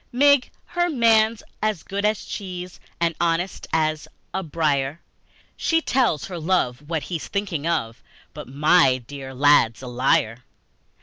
Mig, her man's as good as cheese And honest as a briar, She tells her love what he's thinking of, But my dear lad's a liar!